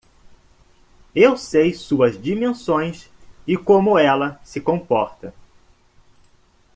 Eu sei suas dimensões e como ela se comporta.